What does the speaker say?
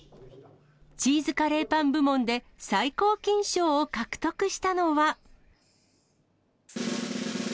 チーズカレーパン部門で最高金賞を獲得したのは。